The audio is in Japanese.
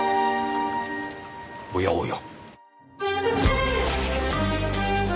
おやおや。